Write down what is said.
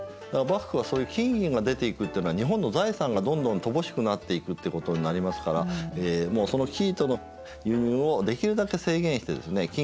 だから幕府はそういう金・銀が出ていくってのは日本の財産がどんどん乏しくなっていくってことになりますからその生糸の輸入をできるだけ制限してですね